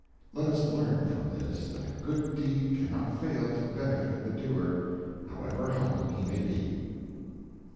Let us learn from this that a good deed cannot fail to benefit the doer, however humble he may be.